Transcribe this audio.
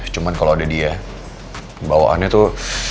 cuman kalau ada dia bawaannya tuh